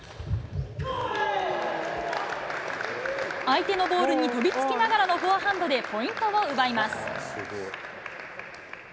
相手のボールに飛びつきながらのフォアハンドでポイントを奪います。